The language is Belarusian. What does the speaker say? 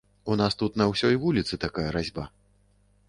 У нас тут на ўсёй вуліцы такая разьба!